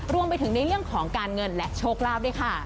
รวมไปถึงในเรื่องของการเงินและโชคลาภด้วยค่ะ